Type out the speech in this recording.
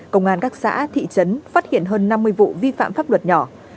công an các xã thị trấn phát hiện hơn năm mươi vụ vi phạm pháp luật nhỏ